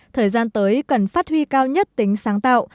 thời gian tới cần phát huy cao nhất tính sáng tạo